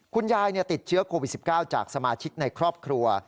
คุณยายติดเชื้อโควิด๑๙จากสมาชิกในครอบครัว